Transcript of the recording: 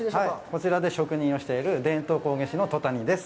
こちらで職人をしている伝統工芸士の戸谷です。